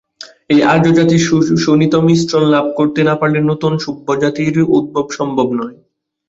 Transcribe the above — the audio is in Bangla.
এই আর্যজাতির শোণিত-মিশ্রণ লাভ করতে না পারলে নূতন সভ্যজাতির উদ্ভব সম্ভব নয়।